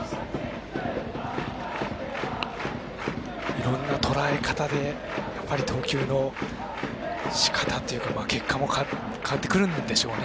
いろんなとらえ方で投球のしかたというか結果も変わってくるんでしょうね